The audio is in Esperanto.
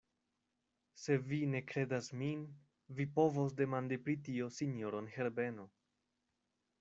Se vi ne kredas min, vi povos demandi pri tio sinjoron Herbeno.